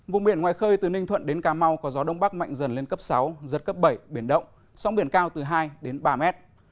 vùng biển ngoài khơi từ ninh thuận đến cà mau có gió đông bắc mạnh dần lên cấp sáu giật cấp bảy biển động sóng biển cao từ hai đến ba mét